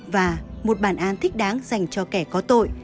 và một bản án thích đáng dành cho kẻ có tội